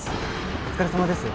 お疲れさまです